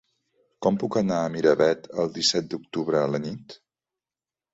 Com puc anar a Miravet el disset d'octubre a la nit?